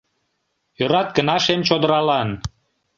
Ӧрат гына шем чодыралан!